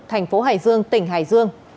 thành phố hải dương tỉnh hải dương